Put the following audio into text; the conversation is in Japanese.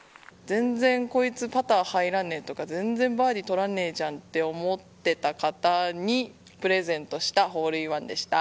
全然こいつパター入らねえとか全然バーディー取らないじゃんと思った方にプレゼントしたホールインワンでした。